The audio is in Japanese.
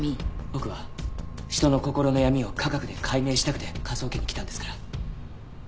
僕は人の心の闇を科学で解明したくて科捜研に来たんですから。